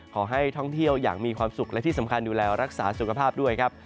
ขอให้ท่องเที่ยวอย่างมีความสุขและที่สำคัญดูแลรักษาสุขภาพด้วยครับ